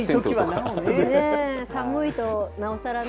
寒いと、なおさらね。